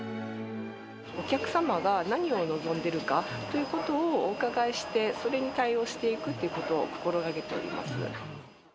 お客様が何を望んでるかということをお伺いしてそれに対応していくということを心がけております。